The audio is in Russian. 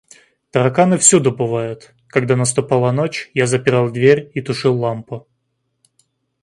Тараканы всюду бывают; когда наступала ночь, я запирал дверь и тушил лампу.